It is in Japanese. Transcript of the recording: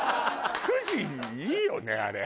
クジいいよねあれ。